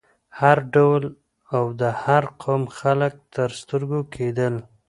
هر ډول او د هر قوم خلک تر سترګو کېدل.